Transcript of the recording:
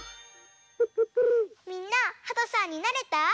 みんなはとさんになれた？